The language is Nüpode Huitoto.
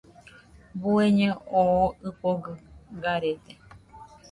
Bueñe oo ɨfogɨ garede.